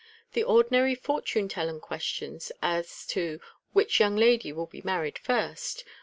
The ordinary fortune telling questions, as to " Which young lady will be married first